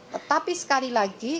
tetapi sekali lagi